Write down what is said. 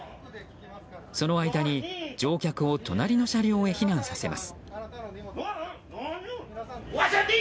その間に乗客を隣の車両へ避難させます。